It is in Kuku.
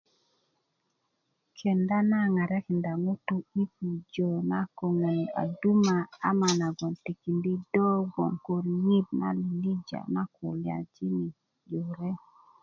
kita na ŋarakinda ŋutu pujö na koŋön duma ama nagon tikindi' do gboŋ ko riŋit duma na lilija na kulyajini jore